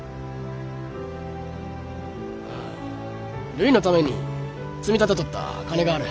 るいのために積み立てとった金がある。